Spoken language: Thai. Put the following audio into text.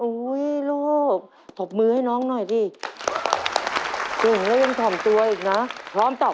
แล้วออโต้เล่นในตำแหน่งอะไรครับ